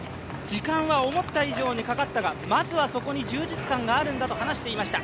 時間は思った以上にかかったが、まずはそこに充実感があるんだと話していました。